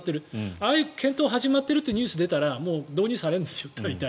ああいう検討が始まっているというニュースが出たらもう導入されますよ大体。